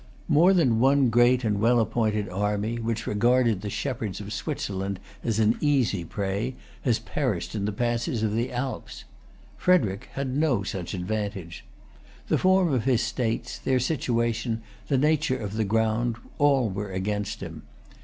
More than one great and well appointed army, which regarded the shepherds of Switzerland as an easy prey, has perished in the passes of the Alps. Frederic had no such advantage. The form of his states, their situation, the nature of the ground, all were against him.